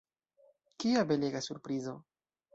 Kia belega surprizo!